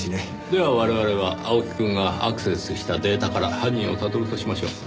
では我々は青木くんがアクセスしたデータから犯人をたどるとしましょう。